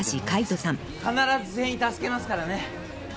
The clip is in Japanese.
「必ず全員助けますからね」